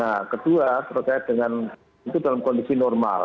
nah kedua itu dalam kondisi normal